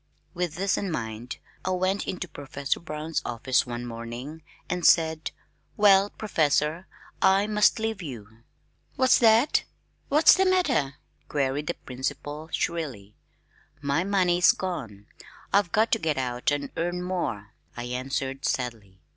With this in mind I went into Professor Brown's office one morning and I said, "Well, Professor, I must leave you." "What's that? What's the matter?" queried the principal shrilly. "My money's gone. I've got to get out and earn more," I answered sadly.